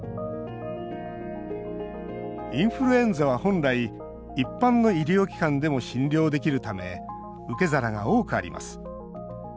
インフルエンザは本来、一般の医療機関でも診療できるため受け皿が多くあります。